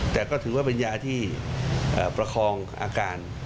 แต่ก็ถือว่าเป็นยาที่ประคองอาการ